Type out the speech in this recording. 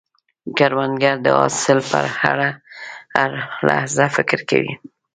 کروندګر د حاصل په اړه هره لحظه فکر کوي